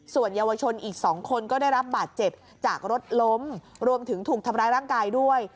ส่วนเยาวชนอีก๒คนก็ได้รับบาดเจ็บจากรถล้มรวมถึงถูกทำร้ายร่างกายด้วย